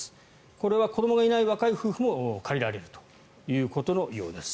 これは子どもがいない若い夫婦も借りられるということです。